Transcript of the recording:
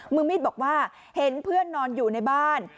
มือมีดบอกว่าเห็นเพื่อนนอนอยู่ในบ้าน